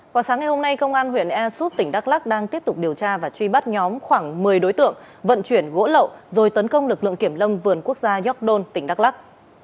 vào sáng ngày hôm nay công an huyện asus tỉnh đắk lắc đang tiếp tục điều tra và truy bắt nhóm khoảng một mươi đối tượng vận chuyển gỗ lậu rồi tấn công lực lượng kiểm lâm vườn quốc gia gióc đôn tỉnh đắk lắc